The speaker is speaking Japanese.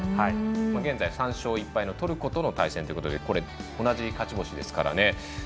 現在、３勝１敗のトルコとの対戦で同じ勝ち星ですからね。